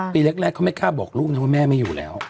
ปีแรกเขาเข้าบอกลูกไว้ว่าแม่ไม่อยู่แล้ว